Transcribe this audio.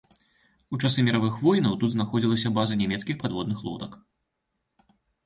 У часы міравых войнаў тут знаходзілася база нямецкіх падводных лодак.